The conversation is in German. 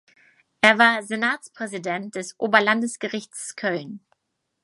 Er war Senatspräsident des Oberlandesgerichts Köln.